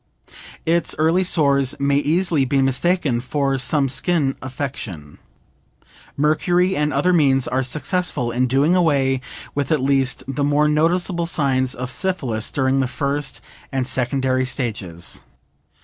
Its early sores may easily be mistaken for some skin affection. Mercury and other means are successful in doing away with at least the more noticeable signs of syphilis during the first and secondary stages.